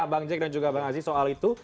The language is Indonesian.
abang jack dan juga abang aziz soal itu